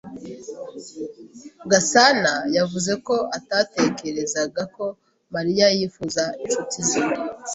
Gasanayavuze ko atatekerezaga ko Mariya yifuza inshuti ze.